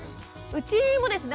うちもですね